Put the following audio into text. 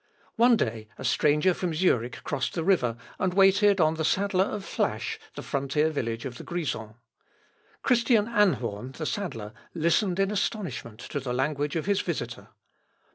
One day, a stranger from Zurich crossed the river, and waited on the saddler of Flasch, the frontier village of the Grisons. Christian Anhorn, the saddler, listened in astonishment to the language of his visitor.